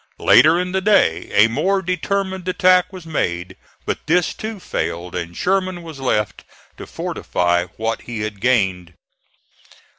Later in the day a more determined attack was made, but this, too, failed, and Sherman was left to fortify what he had gained.